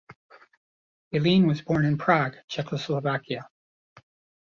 Bellin was born in Prague, Czechoslovakia.